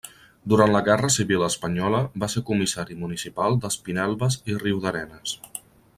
Durant la guerra civil espanyola va ser comissari municipal d'Espinelves i Riudarenes.